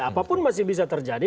apapun masih bisa terjadi